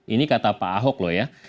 ini kata pak ahok loh ya